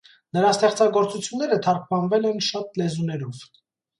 Նրա ստեղծագործությունները թարգմանվել են շատ լեզուներով։